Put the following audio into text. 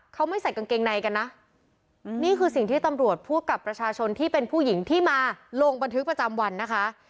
เขาไม่ใส่กางเกงในกันนะนี่คือสิ่งที่ตำรวจพูดกับประชาชนที่เป็นผู้หญิงที่มาลงบันทึกประจำวันนะคะ